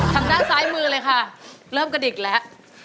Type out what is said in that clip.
ทางด้านซ้ายมือเลยค่ะเริ่มกระดิกแล้ว